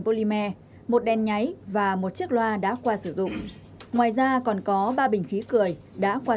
polymer một đèn nháy và một chiếc loa đã qua sử dụng ngoài ra còn có ba bình khí cười đã qua